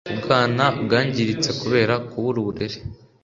ubwana bwangiritse kubera kubura uburere